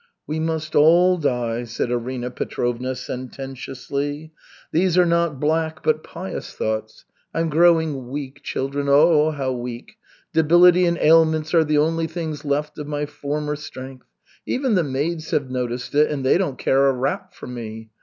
"We must all die," said Arina Petrovna sententiously. "These are not black, but pious thoughts. I'm growing weak, children, oh, how weak! Debility and ailments are the only things left of my former strength. Even the maids have noticed it, and they don't care a rap for me.